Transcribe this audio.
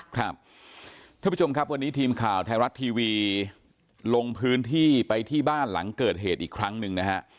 ท่านผู้ชมครับวันนี้ทีมข่าวไทยรัฐทีวีลงพื้นที่ไปที่บ้านหลังเกิดเหตุอีกครั้งหนึ่งนะฮะ